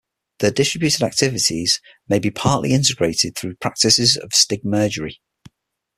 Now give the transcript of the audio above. Their distributed activities may be partly integrated through practices of stigmergy.